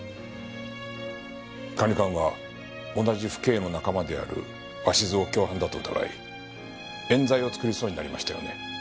管理官は同じ府警の仲間である鷲頭を共犯だと疑い冤罪を作りそうになりましたよね？